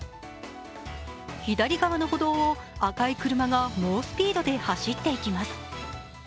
左側の歩道を赤い車が猛スピードで走っていきます。